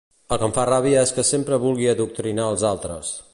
El que em fa ràbia és que sempre vulgui adoctrinar els altres.